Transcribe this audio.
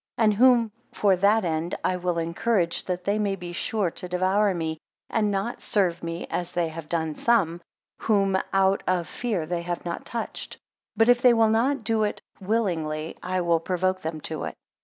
11 And whom for that end I will encourage, that they may be sure to devour me, and not serve me as they have done some, whom out of fear they have not touched. But if they will not do it willingly, I will provoke them to it.